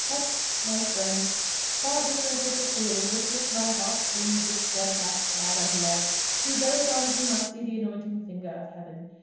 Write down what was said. But, my friend, far different is the feeling with which my heart clings with stedfast care and love to those on whom I see the anointing finger of Heaven.